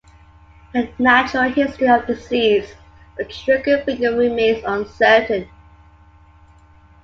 The natural history of disease for trigger finger remains uncertain.